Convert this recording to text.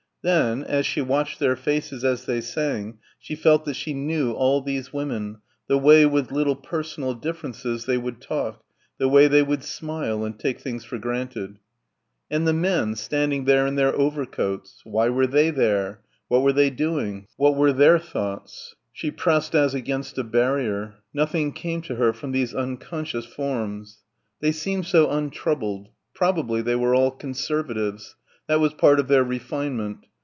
Then as she watched their faces as they sang she felt that she knew all these women, the way, with little personal differences, they would talk, the way they would smile and take things for granted. And the men, standing there in their overcoats.... Why were they there? What were they doing? What were their thoughts? She pressed as against a barrier. Nothing came to her from these unconscious forms. They seemed so untroubled.... Probably they were all Conservatives.... That was part of their "refinement."